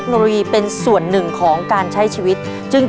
คุณผู้ชมครับยังมีอีกหนึ่งโรงเรียนที่มาสู้เพื่อที่